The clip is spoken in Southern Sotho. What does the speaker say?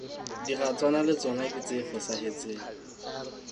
Diratswana le tsona ke tse fosahetseng.